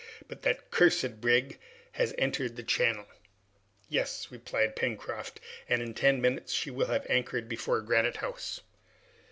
But that cursed brig has entered the channel!" "Yes," replied Pencroft, "and in ten minutes she will have anchored before Granite House!"